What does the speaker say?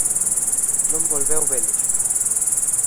Non volveu velos.